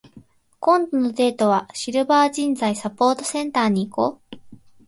今度のデートは、シルバー人材サポートセンターに行こう。